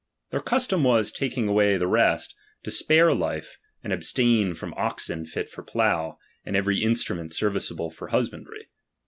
Their custom was, taking away the rest, to spare life, and abstain from oxen fit for plough, unci every instrument serviceable to husbandry.